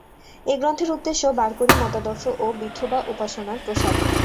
এই গ্রন্থের উদ্দেশ্য বারকরী মতাদর্শ ও বিঠোবা উপাসনার প্রসার।